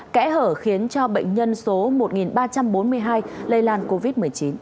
kẽ hở khiến cho bệnh nhân số một ba trăm bốn mươi hai lây lan covid một mươi chín